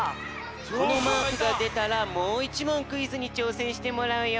このマークがでたらもう１もんクイズにちょうせんしてもらうよ。